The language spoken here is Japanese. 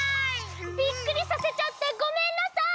ビックリさせちゃってごめんなさい！